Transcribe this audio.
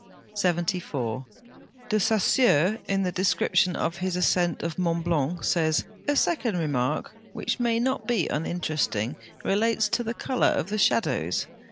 74. De Saussure, in the description of his ascent of Mont Blanc, says, "A second remark, which may not be uninteresting, relates to the colour of the shadows.